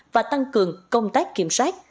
và tăng cường công tác kiểm soát